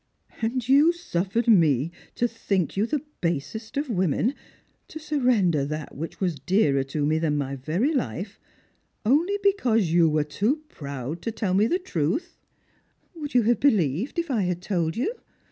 " And you suffered me to think you the basest of women — to surrender that which was dearer to me than my very life — only because you were too proud to tell me the truth 1 "" Would you have believed if I had told you